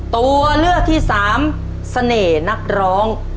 ตัวเลือกที่สามเสน่ห์นักร้อง